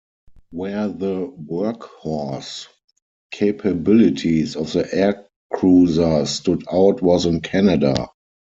Where the workhorse capabilities of the Aircruiser stood out was in Canada.